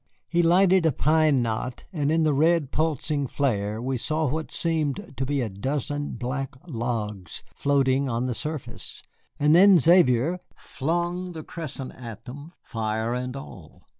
He lighted a pine knot, and in the red pulsing flare we saw what seemed to be a dozen black logs floating on the surface. And then Xavier flung the cresset at them, fire and all.